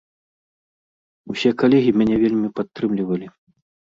Усе калегі мяне вельмі падтрымлівалі.